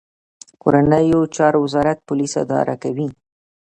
کورنیو چارو وزارت پولیس اداره کوي